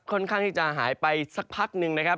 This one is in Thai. ค่อนข้างที่จะหายไปสักพักหนึ่งนะครับ